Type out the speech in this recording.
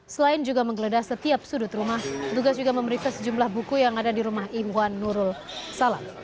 selain juga menggeledah setiap sudut rumah tugas juga memeriksa sejumlah buku yang ada di rumah ihwan nurul salam